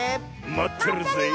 まってるぜえ。